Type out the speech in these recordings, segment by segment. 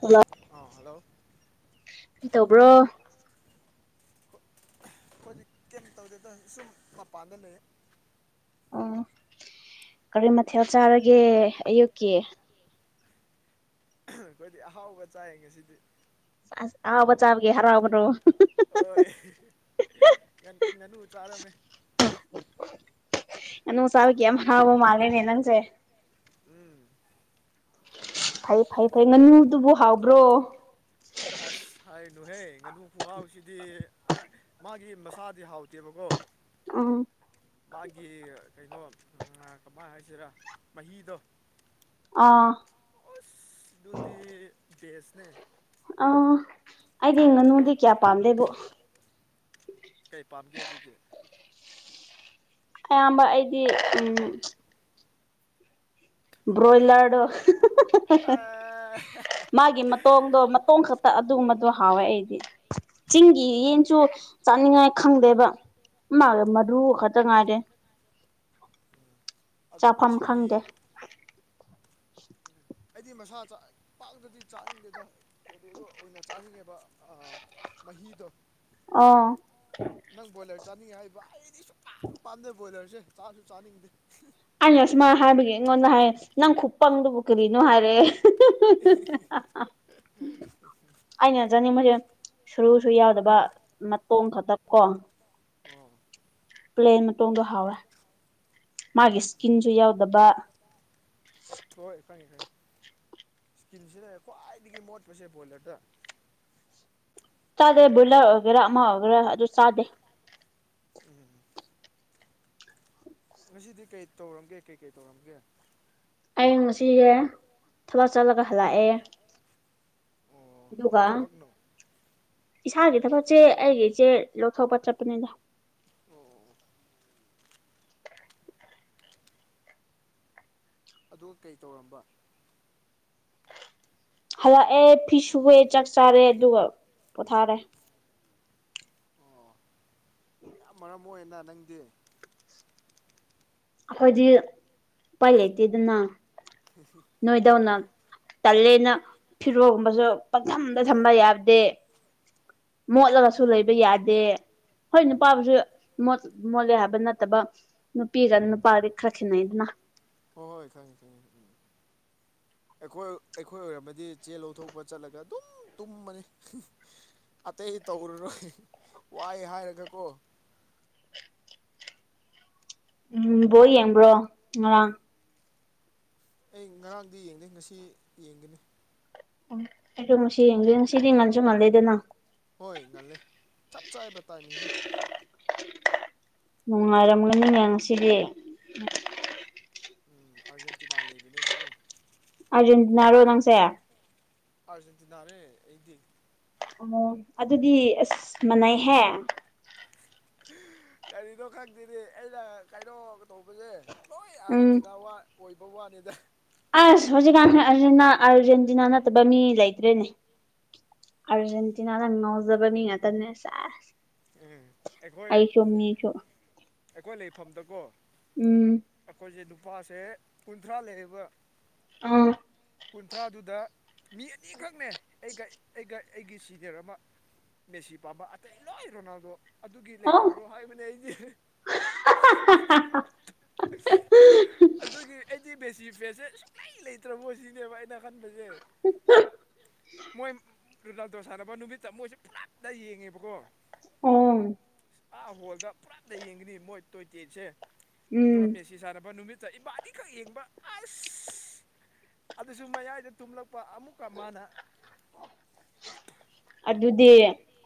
hello ꯀꯩ ꯇꯧꯕ꯭ꯔꯣ ꯍꯧ ꯈꯣꯢꯗꯤ ꯀꯩꯝ ꯇꯧꯗꯦꯗ ꯁꯨꯝ ꯃꯄꯥꯟꯗ ꯂꯩ ꯑꯣ ꯀꯔꯤ ꯃꯊꯦꯜ ꯆꯥꯔꯒꯦ ꯑꯌꯨꯛꯀꯤ ꯑꯩꯈꯣꯏꯗꯤ ꯑꯍꯥꯎꯕ ꯆꯥꯏ ꯉꯁꯤꯗꯤ ꯁꯦꯁ ꯑꯍꯥꯎꯕ ꯆꯥꯕꯒꯤ ꯍꯔꯥꯎꯕꯔꯣ ꯍꯣꯏ ꯉ ꯉꯅꯨ ꯆꯥꯔꯝꯃꯦ ꯉꯥꯅꯨ ꯆꯥꯕꯒꯤ ꯌꯥꯝ ꯍꯔꯥꯎꯕ ꯃꯥꯜꯂꯦꯅꯦ ꯅꯪꯁꯦ ꯎꯝ ꯐꯩ ꯐꯩ ꯐꯩ ꯉꯥꯅꯨꯗꯨꯕꯨ ꯍꯥꯎꯕ꯭ꯔꯣ ꯑꯁ ꯍꯥꯏꯅꯨꯍꯦ ꯉꯥꯅꯨ ꯈꯨꯍꯥꯎꯁꯤꯗꯤ ꯃꯥꯒꯤ ꯃꯁꯥꯗꯤ ꯍꯥꯎꯇꯦꯕꯀꯣ ꯑꯥ ꯃꯥꯒꯤ ꯀꯩꯅꯣ ꯀꯃꯥꯏ ꯍꯥꯏꯁꯤꯔ ꯃꯍꯤꯗꯣ ꯑꯥ ꯑꯁ ꯑꯗꯨꯗꯤ ꯕꯦꯁꯅꯦ ꯑꯣ ꯑꯩꯗꯤ ꯉꯥꯅꯨꯗꯤ ꯀꯌꯥ ꯄꯥꯝꯗꯦꯕꯣ ꯀꯩ ꯄꯥꯝꯒꯦ ꯑꯗꯨꯗꯤ ꯑꯌꯥꯝꯕ ꯑꯩꯗꯤ ꯎꯝ ꯕ꯭ꯔꯣꯏꯂꯔꯗꯣ [unintelligible] ꯃꯥꯒꯤ ꯃꯇꯣꯡꯗꯣ ꯃꯇꯣꯡ ꯈꯛꯇ ꯑꯗꯨꯒꯨꯝꯕ ꯗꯣ ꯍꯥꯎꯋꯦ ꯑꯩꯗꯤ ꯆꯤꯡꯒꯤ ꯌꯦꯟꯁꯨ ꯆꯥꯅꯤꯡꯉꯥꯏ ꯈꯪꯗꯦꯕ ꯃꯥ ꯃꯔꯨ ꯈꯛꯇ ꯉꯥꯏꯔꯦ ꯆꯥꯐꯝ ꯈꯪꯗꯦ ꯑꯩꯗꯤ ꯃꯁꯥ ꯄꯥꯛꯇꯗꯤ ꯆꯥꯅꯤꯡꯗꯦꯗ ꯑꯗꯨꯗꯣ ꯑꯣꯏꯅ ꯆꯥꯅꯤꯡꯉꯦꯕ ꯃꯍꯤꯗꯣ ꯑꯣ ꯆꯥꯅꯤꯡꯉꯦ ꯍꯥꯏꯕ ꯑꯩꯗꯤ ꯁꯨꯛꯄꯥꯝ ꯄꯥꯝꯗꯦ ꯕꯣꯏꯂꯔꯁꯦ ꯆꯥꯁꯨ ꯆꯥꯅꯤꯡꯗꯦ ꯑꯩꯅ ꯑꯁꯨꯃꯥꯏꯅ ꯍꯥꯏꯕꯒꯤ ꯑꯩꯉꯣꯟꯗ ꯍꯥꯏ ꯅꯪ ꯈꯨꯞ ꯄꯪꯗꯕꯨ ꯀꯔꯤꯅꯣ ꯍꯥꯏꯔꯦ [inaudible] ꯁꯔꯨꯁꯨ ꯌꯥꯎꯗꯕ ꯃꯇꯣꯡ ꯈꯛꯇ ꯀꯣ ꯑꯣ ꯄ꯭ꯂꯦꯟ ꯃꯇꯣꯡꯗꯣ ꯍꯥꯎꯋꯦ ꯃꯥꯒꯤ ꯏꯁꯀꯤꯟꯁꯨ ꯌꯥꯎꯗꯕ ꯏꯁꯀꯤꯟꯁꯤꯅꯦ ꯈ꯭ꯋꯥꯏꯗꯒꯤ ꯃꯣꯠ ꯄꯁꯦ ꯕꯣꯏꯂꯔꯗ ꯆꯥꯗꯦ ꯕꯣꯏꯂꯔ ꯑꯣꯏꯒꯦꯔꯥ ꯑꯃ ꯑꯣꯏꯒꯦꯔꯥ ꯑꯗꯨ ꯆꯥꯗꯦ ꯎꯝ [inaudible] ꯇꯧꯔꯝꯒꯦ ꯀꯩꯀꯩ ꯇꯧꯔꯝꯒꯦ ꯍꯌꯦꯡ [unintelligible] ꯉꯁꯤꯁꯦ ꯊꯕꯛ ꯆꯠꯂꯒ ꯍꯜꯂꯛꯑꯦ ꯑꯗꯨꯒ ꯏꯁꯥꯒꯤ ꯊꯕꯛ ꯆꯦ ꯑꯩꯒꯤ ꯏꯆꯦ ꯂꯧꯊꯣꯛꯄ ꯆꯠꯄꯅꯤꯗ ꯑꯣ ꯑꯗꯨ ꯀꯩ ꯇꯧꯔꯝꯕ ꯍꯜꯂꯛꯑꯦ ꯐꯤ ꯁꯨꯑꯦ ꯆꯥꯛ ꯆꯥꯔꯦ ꯑꯗꯨꯒ ꯄꯣꯊꯥꯔꯦ ꯑꯣ ꯌꯥꯝ ꯃꯔꯝ ꯃꯣꯛꯑꯦꯅ ꯅꯪꯗꯤ ꯑꯩꯈꯣꯏꯗꯤ ꯎꯄꯥꯏ ꯂꯩꯇꯦꯗꯅ ꯅꯣꯏꯗꯧꯅ ꯇꯜꯂꯦ ꯅ ꯐꯤꯔꯣꯜꯒꯨꯝꯕꯁꯨ ꯄꯪꯊꯝꯗ ꯊꯝꯕ ꯌꯥꯗꯦ ꯃꯣꯠꯂꯒꯁꯨ ꯂꯩꯕ ꯌꯥꯗꯦ ꯍꯣꯏ ꯅꯨꯄꯥꯕꯨꯁꯨ ꯃꯣꯠ ꯃꯣꯠꯂꯦ ꯍꯥꯏꯕ ꯅꯠꯇꯕ ꯅꯨꯄꯤꯒꯅ ꯅꯨꯄꯥꯗꯤ ꯈꯔ ꯈꯦꯟꯅꯩꯗꯅ ꯍꯣꯏ ꯍꯣꯏ ꯈꯪꯉꯦ ꯈꯪꯉꯦ ꯎꯝ [inaudible] ꯑꯩꯈꯣꯏ ꯑꯩꯈꯣꯏ ꯑꯣꯏꯔꯝꯃꯗꯤ ꯆꯦ ꯂꯧꯊꯣꯛꯄ ꯆꯠꯂꯒ ꯑꯗꯨꯝ ꯇꯨꯝꯃꯅꯤ ꯑꯇꯩ ꯇꯧꯔꯔꯣꯏ ꯋꯥꯏ ꯍꯥꯏꯔꯒ ꯀꯣ [inaudible] ꯎꯝ ꯕꯣꯜ ꯌꯦꯡꯕ꯭ꯔꯣ ꯉꯔꯥꯡ ꯑꯩ ꯉꯔꯥꯡꯗꯤ ꯌꯦꯡꯗꯦ ꯉꯁꯤ ꯌꯦꯡꯒꯅꯤ ꯑꯩꯁꯨ ꯉꯁꯤ ꯌꯦꯡꯗꯣꯏꯅꯤ ꯉꯁꯤꯗꯤ ꯉꯟꯁꯨ ꯉꯜꯂꯤꯗꯅ ꯍꯣꯏ ꯉꯜꯂꯦ ꯆꯞ ꯆꯥꯏꯕ ꯇꯥꯏꯃꯤꯡꯁꯦ ꯅꯨꯡꯉꯥꯏꯔꯝꯒꯅꯤꯅꯦ ꯉꯁꯤꯗꯤ ꯎꯝ ꯑꯥꯔꯖꯦꯟꯇꯤꯅ ꯂꯩꯕꯅꯦꯕꯀꯣ ꯑꯥꯔꯖꯦꯟꯇꯤꯅꯥꯔꯣ ꯅꯪꯁꯦ ꯑꯔꯖꯦꯟꯇꯤꯅ ꯔꯦ ꯑꯩꯗꯤ ꯑꯣ ꯑꯗꯨꯗꯤ ꯑꯁ ꯃꯅꯩꯍꯦ ꯀꯔꯤꯅꯣ ꯈꯪꯗꯦꯅꯦ ꯑꯩꯅ ꯀꯩꯅꯣ ꯇꯧꯕꯁꯦ ꯂꯣꯏ ꯑꯥꯔꯖꯦꯟꯇꯤꯅ ꯋꯥ ꯑꯣꯏꯕ ꯋꯥꯅꯤꯗ ꯑꯁ ꯍꯧꯖꯤꯛꯀꯥꯟ ꯑꯥꯔꯖꯦꯟꯅ ꯑꯥꯥꯔꯖꯦꯟꯇꯤꯅ ꯅꯠꯇꯕ ꯃꯤ ꯂꯩꯇ꯭ꯔꯦꯅꯦ ꯑꯔꯖꯦꯟꯇꯤꯅ ꯅ ꯉꯥꯎꯖꯕ ꯃꯤ ꯉꯥꯛꯇꯅꯦ ꯁꯦꯁ ꯑꯩꯁꯨ ꯃꯤꯁꯨ ꯑꯩꯈꯣꯏ ꯂꯩꯐꯝꯗꯀꯣ ꯑꯩꯈꯣꯏꯁꯦ ꯅꯨꯄꯥꯁꯦ ꯀꯨꯟꯊ꯭ꯔꯥ ꯂꯩꯌꯦꯕ ꯑꯣ ꯃꯤ ꯑꯅꯤꯈꯛꯅꯦ ꯑꯩꯒ ꯑꯩꯒ ꯑꯩꯒꯤ ꯁꯤꯅꯤꯔ ꯑꯃ ꯃꯦꯁꯤ ꯄꯥꯝꯕ ꯑꯇꯩ ꯂꯣꯏ ꯔꯣꯅꯥꯜꯗꯣ ꯑꯗꯨꯒꯤ ꯂꯩꯇꯕ꯭ꯔꯣ ꯍꯥꯏꯕꯅꯦ ꯑꯩꯗꯤ ꯑꯗꯨꯒꯤ ꯑꯩꯗꯤ ꯃꯦꯁꯤ ꯐꯦꯁꯁꯦ ꯁꯨꯛꯂꯩ ꯂꯩꯇ꯭ꯔꯕꯣ ꯁꯤꯅꯦꯕ ꯑꯩꯅ ꯈꯟꯕꯁꯦ ꯃꯣꯏ ꯔꯣꯅꯥꯜꯗꯣ ꯁꯥꯟꯅꯕ ꯅꯨꯃꯤꯠꯇ ꯃꯣꯏꯁꯦ ꯄꯨꯂꯞꯅ ꯌꯦꯡꯉꯦꯕꯀꯣ ꯑꯣꯝ ꯑꯥ ꯍꯣꯜꯗ ꯄꯨꯔꯞꯅ ꯌꯦꯡꯒꯅꯤ ꯃꯣꯏ ꯇꯣꯏꯇꯤꯑꯦꯠꯁꯦ ꯑꯗꯨꯒ ꯃꯦꯁꯤ ꯁꯥꯟꯅꯕ ꯅꯨꯃꯤꯠ ꯇ ꯏꯕꯥꯅꯤꯈꯛ ꯌꯦꯡꯕ ꯑꯁ ꯑꯗꯨꯁꯨ ꯃꯌꯥꯏꯗ ꯇꯨꯝꯂꯛꯄ ꯑꯃꯨꯛꯀ ꯃꯥꯅ ꯑꯗꯨꯗꯤ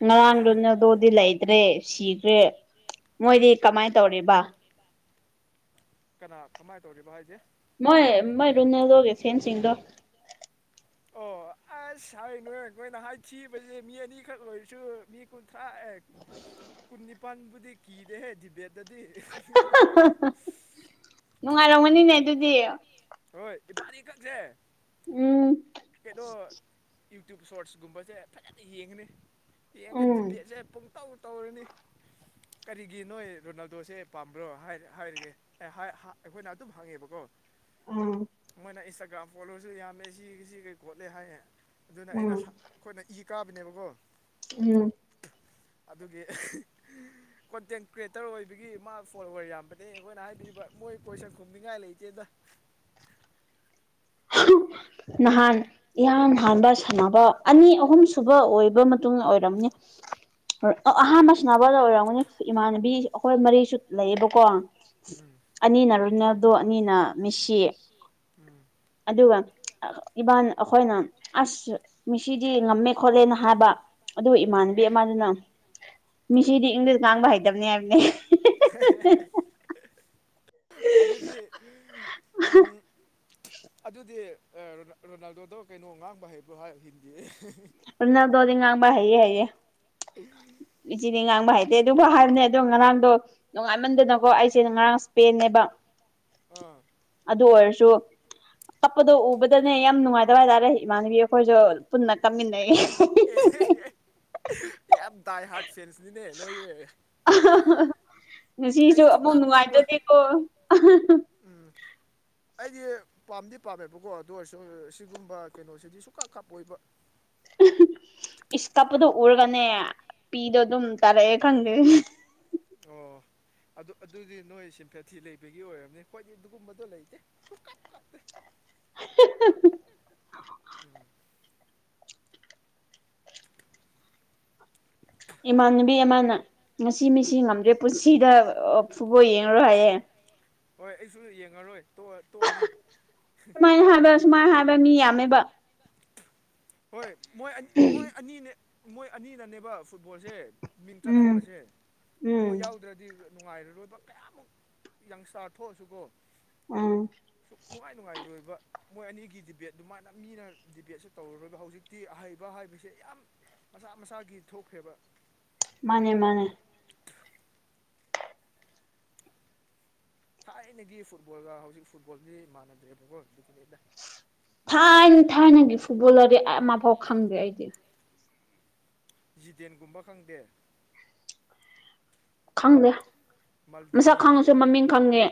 ꯉꯔꯥꯡ ꯔꫭꯅꯥꯜꯗꯣꯗꯤ ꯂꯩ ꯇ꯭ꯔꯦ ꯁꯤꯈ꯭ꯔꯦ ꯃꯣꯏꯗꯤ ꯀꯝꯃꯥꯏ ꯇꯧꯔꯤꯕ ꯀꯅꯥ ꯀꯝꯃꯥꯏ ꯇꯧꯔꯤꯕ ꯍꯥꯏꯗꯤ ꯃꯣꯏ ꯃꯣꯏ ꯔꫭꯅꯥꯜꯗꯣꯜꯒꯤ ꯐꯦꯟ ꯁꯤꯡꯗꯣ ꯑꯥꯁ ꯍꯥꯏꯅꯨꯍꯦ ꯑꯈꫭꯏꯅ [unintelligible] ꯊꯤꯕꯁꯦ ꯃꯤ ꯑꯅꯤꯈꯛ ꯑꯣꯏꯔꯁꯨ ꯃꯤ ꯀꯨꯟꯊ꯭ꯔꯥ ꯑꯦ ꯀꯨꯟ ꯅꯤꯄꯥꯟꯕꯨꯗꯤ ꯀꯤꯗꯦꯍꯦ ꯗꯤꯕꯦꯠꯇꯗꯤ [unintelligible] ꯅꯨꯡꯉꯥꯏꯔꯝꯒꯅꯤꯅꯦ ꯑꯗꯨꯗꯤ ꯍꯣꯏ ꯏꯕꯥꯅꯤ ꯈꯛꯁꯦ ꯎꯝ ꯀꯩꯅꯣ ꯌꯨꯇꯞ ꯁꯣꯔꯠꯁꯒꯨꯝꯕꯁꯦ ꯐꯖꯅ ꯌꯦꯡꯉꯅꯤ ꯌꯦꯡꯉꯒ ꯗꯤꯄꯦꯠꯁꯦ ꯄꯨꯡꯇꯧ ꯇꯧꯔꯅꯤ ꯀꯔꯤꯒꯤ ꯅꯣꯏ ꯔꯣꯅꯥꯜꯗꯣꯁꯦ ꯄꯥꯝꯕ꯭ꯔꯣ ꯍꯥꯏ ꯍꯥꯏꯔꯒ [unintelligible] ꯑꯈꯣꯏꯅ ꯑꯗꯨꯝ ꯍꯪꯉꯦꯕꯀꯣ ꯃꯣꯏꯅ ꯏꯟꯁꯇꯥꯒ꯭ꯔꯥꯝ ꯐꯣꯂꯣꯁꯨ ꯌꯥꯝꯃꯦ ꯁꯤꯒꯤ ꯁꯤ ꯀꯩ ꯈꯣꯠꯂꯦ ꯍꯥꯏꯌꯦ ꯑꯗꯨꯅ ꯑꯩꯅ ꯑꯩꯈꯣꯏꯅ ꯏ ꯀꯥꯕꯅꯦꯕꯀꯣ ꯎꯝ ꯑꯗꯨꯒꯤ [unintelligible] ꯀꯣꯟꯇꯦꯟ ꯀ꯭ꯔꯤꯌꯦꯇꯔ ꯑꯣꯏꯕꯒꯤ ꯃꯥ ꯐꯣꯜꯂꫭꯋꯔ ꯌꯥꯝꯕꯅꯦ ꯑꯈꯣꯏꯅ ꯍꯥꯏꯕꯤꯕ ꯃꯣꯏ [unintelligible] ꯈꯨꯝꯅꯤꯡꯉꯥꯏ ꯂꯩꯇꯦꯗ [inaudible] [unintelligible] ꯅꯍꯥꯟ ꯏꯍꯥꯟ ꯍꯥꯟꯕ ꯁꯥꯟꯅꯕ ꯑꯅꯤ ꯑꯍꯨꯝ ꯁꯨꯕ ꯑꯣꯏꯕ ꯃꯇꯨꯡ ꯑꯣꯏꯔꯝꯅꯤ ꯑ ꯑꯍꯥꯟꯕ ꯁꯥꯟꯅꯕꯗ ꯑꯣꯏꯔꯝꯒꯅꯤ ꯏꯃꯥꯟꯅꯕꯤ ꯑꯈꯣꯏ ꯃꯔꯤꯁꯨ ꯂꯩꯌꯦꯕꯀꯣ ꯑꯅꯤꯅ ꯔꫭꯅꯥꯜꯗꯣ ꯑꯅꯤꯅ ꯃꯦꯁꯤ ꯑꯗꯨꯒ ꯏꯕꯥꯟ ꯑꯈꯣꯏꯅ ꯑꯥꯁ ꯃꯦꯁꯤꯗꯤ ꯉꯝꯃꯦ ꯈꯣꯠꯂꯦꯅ ꯍꯥꯏꯕ ꯑꯗꯨꯒ ꯏꯃꯥꯟꯅꯕꯤ ꯑꯃꯗꯨꯅ ꯃꯤꯁꯤꯗꯤ ꯏꯪꯂꯤꯁ ꯉꯥꯡꯕ ꯍꯩꯇꯞꯅꯦ ꯍꯥꯏꯞꯅꯦ [unintelligible] [unintelligible] ꯑꯗꯨꯗꯤ [unintelligible] ꯑꯗꯨꯗꯤ ꯑ ꯔꯣ ꯔꯣꯅꯥꯜꯗꯣꯗꯣ ꯀꯩꯅꯣ ꯉꯥꯡꯕ ꯍꯩꯕ꯭ꯔꯣ [unintelligible] ꯔꯣꯅꯥꯜꯗꯣꯗꯤ ꯉꯥꯡꯕ ꯍꯩꯌꯦ ꯍꯥꯌꯦ ꯃꯤꯁꯤꯗꯤ ꯉꯥꯡꯕ ꯍꯩꯇꯦ ꯑꯗꯨꯐꯥꯎ ꯍꯥꯏꯞꯅꯦ ꯑꯗꯣ ꯉꯔꯥꯡꯗꯣ ꯅꯨꯡꯉꯥꯏꯃꯟꯗꯅꯀꯣ ꯑꯩꯁꯦ ꯉꯔꯥꯡ ꯏꯁꯄꯦꯟꯅꯦꯕ ꯑꯗꯨ ꯑꯣꯏꯔꯁꯨ ꯀꯞꯄꯗꯣ ꯎꯕꯗꯅꯦ ꯌꯥꯝ ꯅꯨꯡꯉꯥꯏꯇꯕ ꯍꯥꯏꯇꯥꯔꯦ ꯏꯃꯥꯟꯅꯕꯤ ꯑꯩꯈꯣꯏꯁꯨ ꯄꯨꯟꯅ ꯀꯞꯃꯤꯟꯅꯩ [unintelligible] [unintelligible] ꯗꯥꯏ ꯍꯥꯔꯠ ꯐꯦꯟꯁꯅꯤꯅꯦ ꯅꯣꯏꯖꯦ [unintelligible] ꯃꯦꯁꯤꯁꯨ ꯑꯃꯨꯛ ꯅꯨꯡꯉꯥꯏꯇꯗꯤꯀꯣ [unintelligible] ꯑꯩꯗꯤ ꯄꯥꯝꯗꯤ ꯄꯥꯝꯃꯦꯕꯀꯣ ꯑꯗꯨ ꯑꯣꯏꯔꯁꯨ ꯁꯤꯒꯨꯝꯕ ꯀꯩꯅꯣꯁꯤꯗꯤ ꯁꯨꯀꯞ ꯀꯞꯄꯣꯏꯕ ꯏꯁ ꯀꯞꯄꯗꯨ ꯎꯔꯒꯅꯦ ꯄꯤꯗꯣ ꯑꯗꯨꯝ ꯇꯥꯔꯛꯑꯦ ꯈꯪꯗꯦ [inaudible] ꯑꯗꯨ ꯑꯗꯨꯗꯤ ꯅꯣꯏ ꯁꯤꯝꯐꯦꯊꯤ ꯂꯩꯕꯒꯤ ꯑꯣꯏꯔꯝꯅꯤ ꯈꯣꯏꯗꯤ ꯑꯗꯨꯒꯨꯝꯕꯗꯣ ꯂꯩꯇꯦ ꯁꯨꯀꯞ ꯀꯞꯇꯦ [unintelligible] ꯏꯃꯥꯟꯅꯕꯤ ꯑꯃꯅ ꯉꯁꯤ ꯃꯦꯁꯤ ꯉꯝꯗ꯭ꯔꯦ ꯄꯨꯟꯁꯤꯗ ꯐꯨꯠꯕꯣꯜ ꯌꯦꯡꯉꯔꯣꯏ ꯍꯥꯏꯌꯦ ꯍꯣꯏ ꯑꯩꯁꯨ ꯌꯦꯡꯉꯔꯣꯏ ꯇꫭ ꯇꯣꯛꯑꯅꯤ [unintelligible] ꯁꯨꯝꯃꯥꯏ ꯍꯥꯏꯕ ꯃꯤ ꯌꯥꯝꯃꯦꯕ ꯍꯣꯏ ꯃꯣꯏ ꯃꯣꯏ ꯑꯅꯤꯅꯦ ꯃꯣꯏ ꯑꯅꯤꯅꯅꯦꯕ ꯐꯨꯠꯕꯣꯜꯁꯦ ꯃꯤꯡ ꯆꯠꯍꯟꯕꯁꯦ ꯃꯣꯏ ꯌꯥꯎꯗ꯭ꯔꯗꯤ ꯅꯨꯡꯉꯥꯏꯔꯔꯣꯏꯕ ꯀꯌꯥꯃꯨꯛ ꯌꯪꯁꯇꯥꯔ ꯊꯣꯛꯑꯁꯨꯀꯣ ꯎꯝ ꯅꯨꯡꯉꯥꯏ ꯅꯨꯡꯉꯥꯏꯔꯣꯏꯕ ꯃꯣꯏ ꯑꯅꯤꯒꯤ ꯗꯤꯕꯦꯠ ꯑꯗꯨꯃꯥꯏꯅ ꯃꯤꯅ ꯗꯤꯕꯦꯠꯁꯨ ꯇꯧꯔꯔꯣꯏ ꯍꯧꯖꯤꯛꯇꯤ ꯑꯍꯩꯕ ꯍꯥꯢꯕꯁꯦ ꯌꯥꯝ ꯃꯁꯥ ꯃꯁꯥꯒꯤ ꯊꯣꯛꯈ꯭ꯔꯦꯕ ꯃꯥꯅꯦ ꯃꯥꯅꯦ [unintelligible] ꯊꯥꯏꯅꯒꯤ ꯐꯨꯠꯕꯣꯜꯒ ꯍꯧꯖꯤꯛ ꯐꯨꯠꯕꯣꯜꯗꯤ ꯃꯥꯟꯅꯗ꯭ꯔꯦꯕꯀꯣ ꯇꯤꯀꯤꯅꯤꯛ ꯊꯥꯏꯅ ꯊꯥꯏꯅꯒꯤ ꯐꯨꯠꯕꯣꯜꯂꯔꯗꯤ ꯑꯃꯐꯥꯎ ꯈꯪꯗꯦ ꯑꯩꯗꯤ ꯖꯤꯗꯦꯟꯒꯨꯝꯕ ꯈꯪꯗꯦ ꯈꯪꯗꯦ ꯃꯁꯛ ꯈꯪꯉꯁꯨ ꯃꯃꯤꯡ ꯈꯪꯉꯦ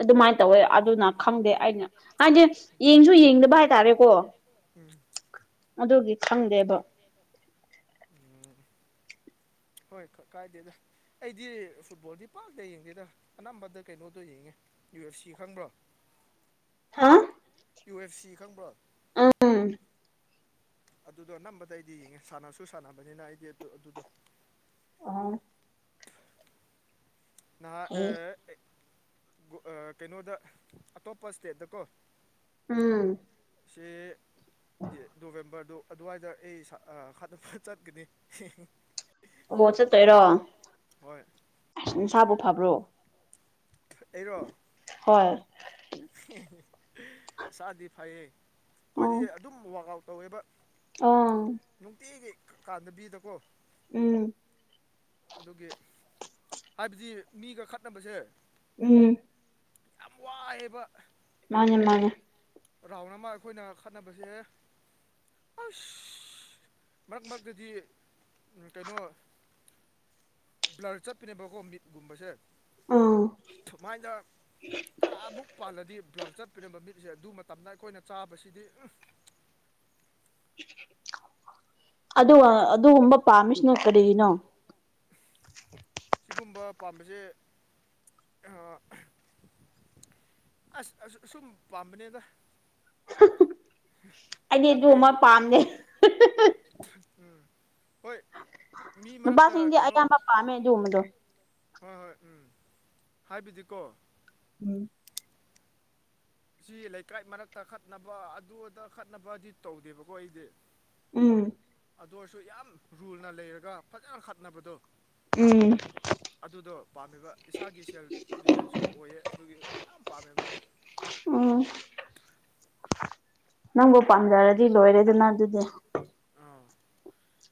ꯑꯗꯨꯃꯥꯏꯅ ꯇꯧꯋꯦ ꯑꯗꯨꯅ ꯈꯪꯗꯦ ꯑꯩꯅ ꯍꯥꯏꯗꯤ ꯌꯦꯡꯁꯨ ꯌꯦꯡꯗꯕ ꯍꯥꯏꯇꯥꯔꯦꯀꯣ ꯎꯝ ꯑꯗꯨꯒꯤ ꯈꯪꯗꯦꯕ [unintelligible] ꯍꯣꯏ ꯀꯥꯏꯗꯦꯗ ꯑꯩꯗꯤ ꯐꯨꯠꯕꯣꯜꯗꯤ ꯄꯥꯛꯗ ꯌꯦꯡꯗꯦꯗ ꯑꯅꯝꯕꯗ ꯀꯩꯅꯣꯗꯣ ꯌꯦꯡꯉꯦ ꯌꯨ ꯑꯦꯐ ꯁꯤ ꯈꯪꯕ꯭ꯔꯣ [inaudible] ꯌꯨ ꯑꯦꯐ ꯁꯤ ꯈꯪꯕ꯭ꯔꯥ ꯎꯝ ꯑꯗꯨꯗꯣ ꯑꯅꯝꯕꯗ ꯑꯩꯗꯤ ꯌꯦꯡꯉꯦ ꯁꯥꯟꯅꯁꯨ ꯁꯥꯟꯅꯕꯅꯤꯅ ꯑꯩꯗꯤ ꯑꯗꯨ ꯑꯗꯨꯗꯣ ꯅꯍꯥꯟ ꯑꯦ ꯀꯩꯅꯣꯗ ꯑꯇꯣꯞꯄ ꯏꯁꯇꯦꯠꯇꯀꯣ ꯁꯤ ꯅꯣꯕꯦꯝꯕꯔꯗꯨ ꯑꯗꯨꯋꯥꯏꯗ ꯑꯩ ꯈꯗ ꯆꯠꯀꯅꯤ ꯑꯣ ꯆꯠꯇꯣꯢꯔꯣ ꯍꯣꯏ ꯅꯁꯥꯕꯨ ꯐꯕ꯭ꯔꯣ ꯑꯩꯔꯣ ꯏꯁꯥꯗꯤ ꯐꯩꯌꯦ ꯑꯩꯈꯣꯏꯗꯤ ꯑꯗꯨꯝ ꯋꯥꯛꯑꯥꯎ ꯑꯣ ꯀꯥꯟꯗꯕꯤꯗꯀꯣ ꯎꯝ ꯑꯗꯨꯒꯤ ꯍꯥꯏꯕꯗꯤ ꯃꯤꯒ ꯈꯠꯅꯕꯁꯦ ꯎꯝ ꯌꯥꯝ ꯋꯥꯏꯑꯦꯕ ꯃꯥꯟꯅꯦ ꯃꯥꯟꯅꯦ ꯔꯥꯎꯟ ꯑꯃ ꯑꯩꯈꯣꯏꯅ ꯈꯠꯅꯕꯁꯦ ꯑꯁ ꯃꯔꯛ ꯃꯔꯛꯇꯗꯤ ꯎꯝ ꯀꯩꯅꯣ ꯕ꯭ꯂꯠ ꯆꯠꯄꯅꯦꯕꯀꯣ ꯃꯤꯠꯒꯨꯝꯕꯁꯦ ꯁꯨꯃꯥꯏꯅ ꯇꯔꯥꯃꯨꯛ ꯄꯥꯜꯂꯗꯤ ꯕ꯭ꯂꯔ ꯆꯠꯄꯤꯔꯝꯕ ꯃꯤꯠꯁꯦ ꯑꯗꯨ ꯃꯇꯝꯗ ꯑꯩꯈꯣꯏꯅ ꯆꯥꯕꯁꯤꯗꯤ ꯎꯝ ꯑꯗꯨ ꯑꯗꯨꯒꯨꯝꯕ ꯄꯥꯝꯃꯤꯁꯤꯅꯥ ꯀꯔꯤꯒꯤꯅꯣ ꯁꯤꯒꯨꯝꯕ ꯄꯥꯝꯕꯁꯦ ꯑꯥ ꯑꯁ ꯍꯧꯖꯤꯛꯁꯨ ꯄꯥꯝꯕꯅꯦꯕ [unintelligible] ꯑꯩꯗꯤ ꯑꯗꯨ ꯑꯃ ꯄꯥꯝꯗꯦ [unintelligible] ꯅꯨꯄꯥꯁꯤꯡꯗꯤ ꯑꯌꯥꯝꯕ ꯄꯥꯝꯃꯦ ꯑꯗꯨꯒꯨꯝꯕꯗꯨ ꯍꯣꯏ ꯍꯣꯏ ꯎꯝ ꯍꯥꯏꯕꯗꯤꯀꯣ ꯎꯝ ꯁꯤ ꯂꯩꯀꯥꯏ ꯃꯔꯛꯇ ꯈꯠꯅꯕ ꯑꯗꯨꯗ ꯈꯠꯅꯕꯗꯤ ꯇꯧꯗꯦꯕꯀꯣ ꯑꯩꯗꯤ ꯎꯝ ꯑꯗꯨ ꯑꯣꯏꯔꯁꯨ ꯌꯥꯝ ꯔꯨꯅ ꯂꯩꯔꯒ ꯐꯖꯅ ꯈꯠꯅꯕꯗꯣ ꯑꯗꯨꯗꯣ ꯄꯥꯝꯃꯤꯕ ꯏꯁꯥꯒꯤ ꯁꯦꯜꯐ ꯗꯤꯐꯦꯟꯁꯁꯨ ꯑꯣꯏꯌꯦ ꯑꯗꯨꯒꯤ ꯌꯥꯝ ꯄꯥꯝꯃꯦꯕ ꯎꯝ ꯅꯪꯕꯨ ꯄꯥꯝꯖꯔꯗꯤ ꯂꯣꯏꯔꯦꯗꯅ ꯑꯗꯨꯗꯤ ꯑꯥ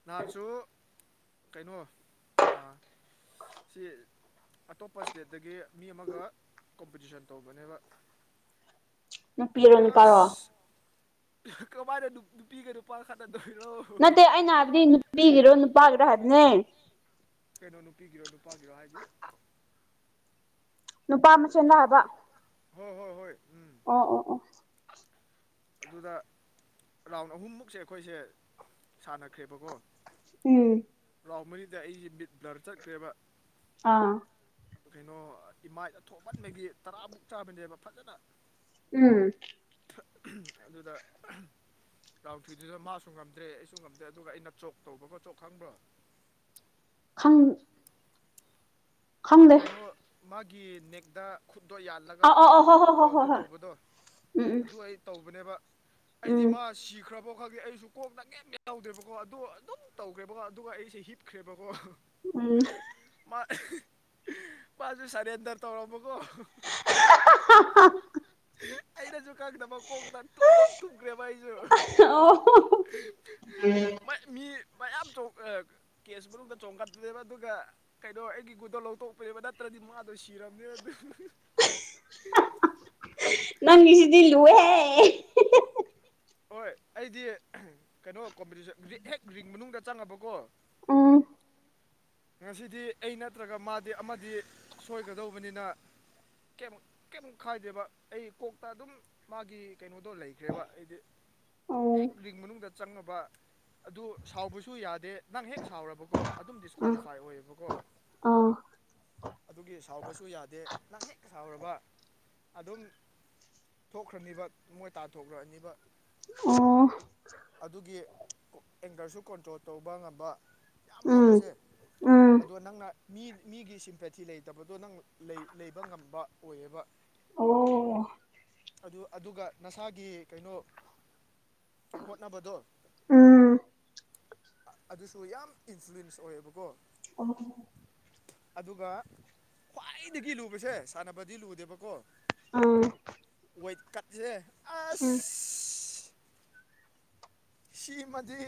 ꯅꯍꯥꯟꯁꯨ ꯀꯩꯅꯣ ꯑꯥ ꯁꯤ ꯑꯇꯣꯞꯄ ꯁ꯭ꯇꯦꯠꯇꯒꯤ ꯃꯤ ꯑꯃꯒ ꯀꯣꯝꯄꯤꯇꯤꯁꯟ ꯇꯧꯕꯅꯦꯕ ꯅꯨꯄꯤꯔꯣ ꯅꯨꯄꯥꯔꯣ ꯀꯃꯥꯏꯅ ꯅꯨꯄꯤꯒ ꯅꯨꯄꯥꯒ ꯈꯠꯅ ꯅꯠꯇꯦ ꯑꯩꯅ ꯍꯥꯏꯕꯗꯤ ꯅꯨꯄꯤꯒꯤꯔꯣ ꯅꯨꯄꯥꯒꯤꯔꯣ ꯍꯥꯏꯕꯅꯦ ꯀꯩꯅꯣ ꯅꯨꯄꯤꯒꯤꯔꯣ ꯅꯨꯄꯥꯒꯤꯔꯣ ꯍꯥꯏꯗꯤ ꯅꯨꯄꯥ ꯃꯁꯦꯟꯔ ꯍꯥꯏꯕ ꯑꯣ ꯑꯣ ꯑꯣ ꯑꯗꯨꯗ ꯔꯥꯎꯟ ꯑꯍꯨꯝꯃꯨꯛꯁꯦ ꯑꯩꯈꯣꯏꯁꯦ ꯁꯥꯟꯅꯈ꯭ꯔꯦꯕꯀꯣ ꯎꯝ ꯔꯥꯎꯟ ꯃꯔꯤꯗ ꯑꯩꯁꯦ ꯃꯤꯠ ꯕ꯭ꯂꯔ ꯆꯠꯈ꯭ꯔꯦꯕ ꯑꯥ ꯀꯩꯅꯣ ꯏꯃꯥꯏꯗ ꯊꯣꯃꯟꯕꯒꯤ ꯇꯔꯥꯃꯨꯛ ꯆꯥꯕꯅꯦꯕ ꯐꯖꯅ ꯎꯝ ꯑꯍꯝ ꯑꯗꯨꯗ ꯑꯍꯝ ꯔꯥꯎꯟ ꯊꯤꯗꯨꯗ ꯃꯥꯁꯨ ꯉꯝꯗ꯭ꯔꯦ ꯑꯩꯁꯨ ꯉꯝꯗ꯭ꯔꯦ ꯑꯗꯨꯒ ꯑꯩꯅ ꯇ꯭ꯔꯣꯛ ꯇꯧꯕꯒꯣ ꯇ꯭ꯔꯣꯛ ꯈꯪꯕ꯭ꯔꯣ ꯈꯪ ꯀꯩꯅꯣ ꯃꯥꯒꯤ ꯅꯦꯛꯗ ꯈꯨꯠꯇꯣ ꯌꯥꯜꯂꯒ ꯑꯗꯨ ꯇꯧꯕꯗꯣ ꯑꯗꯨ ꯑꯩ ꯇꯧꯕꯅꯦꯕ ꯑꯩꯗꯤ ꯃꯥ ꯁꯤꯈ꯭ꯔꯕ ꯕ ꯈꯪꯗꯦ ꯑꯩꯁꯨ ꯀꯣꯛꯅ ꯃꯤꯠ ꯌꯥꯎꯗ꯭ꯔꯦꯕꯀꯣ ꯇꯧꯗꯦꯕꯀꯣ ꯑꯗꯨ ꯑꯗꯨꯝ ꯇꯧꯈ꯭ꯔꯦꯕꯀꯣ ꯑꯗꯨꯒ ꯑꯩꯁꯦ ꯍꯤꯞꯈ꯭ꯔꯦꯕꯀꯣ ꯎꯝ ꯃꯥꯁꯨꯨ ꯁꯔꯦꯟꯗꯔ ꯇꯧꯔꯕꯀꯣ [unintelligible] ꯑꯩꯅꯁꯨ ꯈꯪꯗꯕ ꯀꯣꯛꯇ ꯑꯗꯨꯝ ꯇꯨꯝꯈ꯭ꯔꯦꯕ ꯑꯩꯁꯨ [inaudible] ꯃꯌꯥꯝ ꯆꯣꯛ ꯑꯥ ꯀꯦꯁ ꯃꯅꯨꯡꯗ ꯆꯣꯡꯈꯠꯄꯅꯦꯕ ꯑꯗꯨꯒ ꯀꯩꯅꯣ ꯑꯩꯒꯤ ꯒꯨꯟ ꯂꯧꯊꯣꯛꯄꯤꯔꯕ ꯅꯠꯇ꯭ꯔꯗꯤ ꯃꯥꯗꯣ ꯁꯤꯔꯝꯅꯦ ꯑꯗꯨ ꯍꯤ ꯍꯤ ꯍꯥ ꯍꯥ ꯍꯥ ꯅꯪꯒꯤꯁꯤꯗꯤ ꯂꯣꯏꯔꯦꯍꯦ ꯍꯣꯏ ꯑꯩꯗꯤ ꯀꯩꯅꯣ ꯀꯣꯝꯄꯤꯇꯤꯁꯟ ꯍꯦꯛ ꯔꯤꯡ ꯃꯅꯨꯡꯗ ꯆꯪꯉꯕꯀꯣ ꯉꯁꯤꯗꯤ ꯑꯩ ꯅꯠꯇ꯭ꯔꯒ ꯃꯥꯗꯤ ꯑꯃꯗꯤ ꯁꯣꯏꯒꯗꯧꯕꯅꯤꯅ ꯀꯦꯝ ꯀꯦꯝ ꯈꯥꯏꯗꯦꯕ ꯑꯩ ꯀꯣꯛꯇ ꯑꯗꯨꯝ ꯃꯥꯒꯤ ꯀꯩꯅꯣꯗꯣ ꯂꯩꯈ꯭ꯔꯦꯕ ꯑꯩꯗꯤ ꯍꯦꯛ ꯔꯤꯡ ꯃꯅꯨꯡꯗ ꯆꯪꯉꯕ ꯑꯗꯨ ꯁꯥꯎꯕꯁꯨ ꯌꯥꯗꯦ ꯅꯪ ꯍꯦꯛ ꯁꯥꯎꯔꯕꯀꯣ ꯑꯗꯨꯝ ꯗꯤꯁ ꯀ꯭ꯋꯥꯂꯤꯐꯥꯏ ꯑꯣꯏꯌꯦꯕꯀꯣ ꯑꯗꯨꯒꯤ ꯁꯥꯎꯕꯁꯨ ꯌꯥꯗꯦ ꯅꯪ ꯍꯦꯛ ꯁꯥꯎꯔꯕ ꯑꯗꯨꯝ ꯊꯣꯛꯈ꯭ꯔꯅꯤꯕ ꯃꯣꯏ ꯇꯥꯟꯊꯣꯔꯛꯑꯅꯤꯕ ꯑꯣ ꯑꯗꯨꯒꯤ ꯑꯦꯡꯒꯔꯁꯨ ꯀꯣꯟꯇ꯭ꯔꯣꯜ ꯇꯧꯕ ꯉꯝꯕ ꯌꯥꯝ ꯐꯕꯁꯦ ꯑꯗꯣ ꯅꯪꯅ ꯃꯤ ꯃꯤꯒꯤ ꯁꯤꯝꯄꯦꯊꯤ ꯂꯩꯇꯕꯗꯣ ꯅꯪ ꯂꯩ ꯂꯩꯕ ꯉꯝꯕ ꯑꯣꯏꯌꯦꯕ ꯑꯣ ꯑꯗꯨ ꯑꯗꯨꯒ ꯅꯁꯥꯒꯤ ꯀꯩꯅꯣ ꯍꯣꯠꯅꯥꯕꯗꯣ ꯑꯗꯨꯁꯨ ꯌꯥꯝ ꯏꯟꯐ꯭ꯂꯨꯌꯦꯟꯁ ꯑꯣꯏꯌꯦꯕꯀꯣ ꯑꯣ ꯑꯗꯨꯒ ꯈ꯭ꯋꯥꯏꯗꯒꯤ ꯂꯨꯕꯁꯦ ꯁꯥꯟꯅꯕꯗꯤ ꯂꯨꯗꯦꯕꯀꯣ ꯑꯥ ꯋꯦꯠ ꯀꯠꯁꯦ ꯎꯝ ꯁꯤꯃꯗꯤ